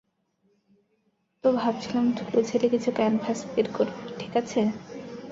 তো, ভাবছিলাম ধুলো ঝেড়ে কিছু ক্যানভাস বের করবো, ঠিক আছে?